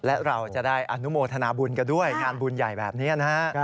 และเราจะได้อนุโมทนาบุญกันด้วยงานบุญใหญ่แบบนี้นะฮะ